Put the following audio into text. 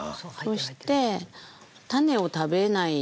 そして種を食べないように。